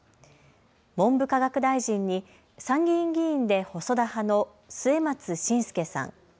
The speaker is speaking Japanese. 文部科学大臣に参議院議員で細田派の末松信介さん。